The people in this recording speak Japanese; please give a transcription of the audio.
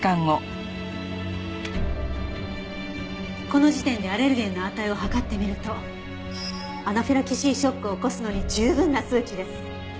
この時点でアレルゲンの値を測ってみるとアナフィラキシーショックを起こすのに十分な数値です。